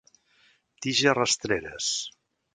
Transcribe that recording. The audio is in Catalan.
Tiges rastreres.